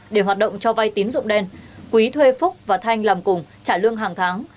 để hoạt động cho vay tín dụng đen quý thuê phúc và thanh làm cùng trả lương hàng tháng